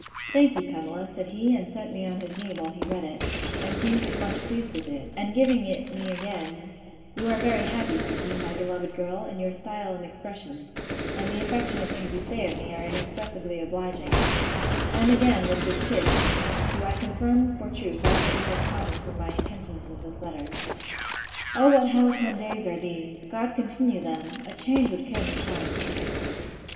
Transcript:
Thank you, Pamela, said he, and set me on his knee, while he read it; and seemed much pleased with it; and giving it me again, You are very happy, said he, my beloved girl, in your style and expressions: and the affectionate things you say of me are inexpressibly obliging; and again, with this kiss, said he, do I confirm for truth all that you have promised for my intentions in this letter.—O what halcyon days are these! God continue them!—A change would kill me quite.